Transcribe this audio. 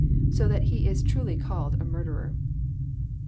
So that he is truly called a murderer."